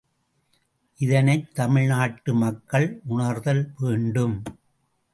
இதனைத் தமிழ் நாட்டு மக்கள் உணர்தல் வேண்டும்.